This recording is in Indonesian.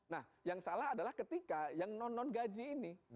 nah yang salah adalah ketika yang non non gaji ini